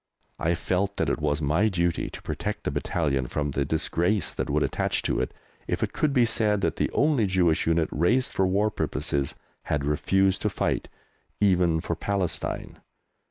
I felt that it was my duty to protect the battalion from the disgrace that would attach to it if it could be said that the only Jewish unit raised for war purposes had refused to fight even for Palestine.